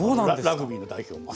ラグビーの代表も。